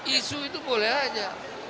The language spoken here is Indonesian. isu itu boleh aja